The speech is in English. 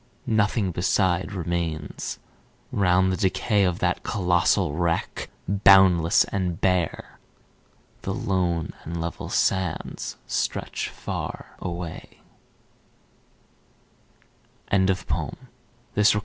Nothing beside remains. Round the decay Of that colossal wreck, boundless and bare, The lone and level sands stretch far away;" Percy Bysshe Shelley.